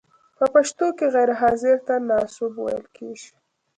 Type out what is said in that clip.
په پښتو کې غیر حاضر ته ناسوب ویل کیږی.